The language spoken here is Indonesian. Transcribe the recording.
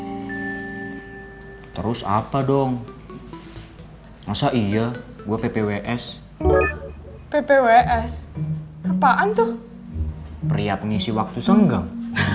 hai terus apa dong masa iya gua ppws ppws apaan tuh pria pengisi waktu senggang